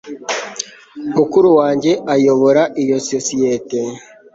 mukuru wanjye ayobora iyo sosiyete